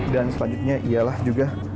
dan selanjutnya ialah juga